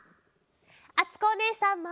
あつこおねえさんも！